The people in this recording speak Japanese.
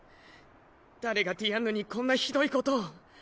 誰がディアンヌにこんなひどいことを。